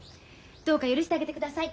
どうか許してあげてください。